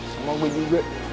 sama gua juga